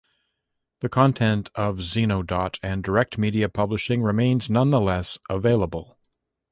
The content of Zenodot and DirectMedia Publishing remains nonetheless available.